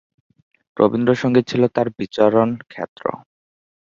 রবীন্দ্র সংগীত ছিল তার বিচরণ ক্ষেত্র।